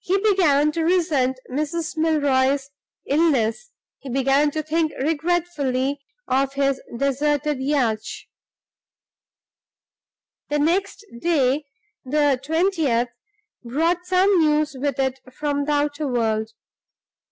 He began to resent Mrs. Milroy's illness; he began to think regretfully of his deserted yacht. The next day the twentieth brought some news with it from the outer world.